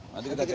nanti kita cek